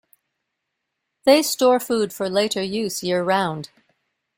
They store food for later use year-round.